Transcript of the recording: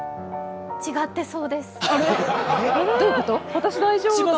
合ってそうですか？